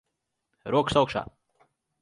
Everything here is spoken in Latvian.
Rokas augšā.